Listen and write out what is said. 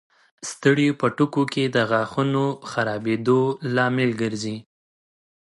سټریپټوکوکي د غاښونو خرابېدو لامل ګرځي.